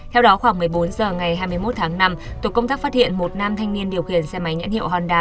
theo đó khoảng một mươi bốn h ngày hai mươi một tháng năm tổ công tác phát hiện một nam thanh niên điều khiển xe máy nhãn hiệu hòn đá